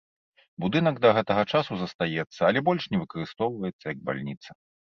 Будынак да гэтага часу застаецца, але больш не выкарыстоўваецца як бальніца.